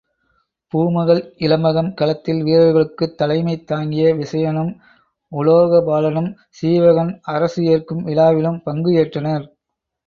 பூமகள் இலம்பகம் களத்தில் வீரர்களுக்குத் தலைமை தாங்கிய விசயனும், உலோகபாலனும் சீவகன் அரசு ஏற்கும் விழாவிலும் பங்கு ஏற்றனர்.